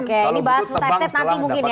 oke ini bahas putestet nanti mungkin ya